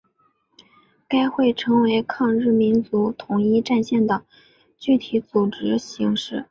该会成为抗日民族统一战线的具体组织形式。